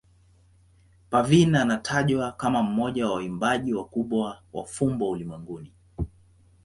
Parveen anatajwa kama mmoja wa waimbaji wakubwa wa fumbo ulimwenguni.